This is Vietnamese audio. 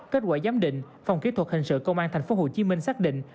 kết quả giám định phòng kỹ thuật hình sự công an tp hcm xác định